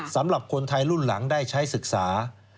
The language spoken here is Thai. สำหรับคนไทยรุ่นหลังได้ใช้ศึกษา